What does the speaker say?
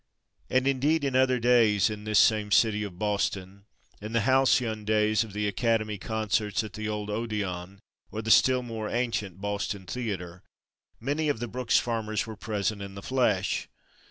And, indeed, in other days in this same city of Boston, in the halcyon days of the "Academy" concerts at the old Odeon, or still more ancient Boston Theatre, many of the Brook Farmers were present in the flesh.